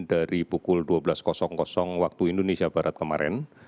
dari pukul dua belas waktu indonesia barat kemarin